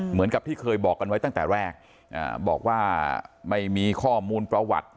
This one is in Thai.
เหมือนกับที่เคยบอกกันไว้ตั้งแต่แรกบอกว่าไม่มีข้อมูลประวัติ